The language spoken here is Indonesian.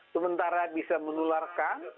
sementara bisa menularkan